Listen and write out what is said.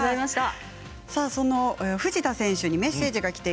藤田選手にメッセージがきています。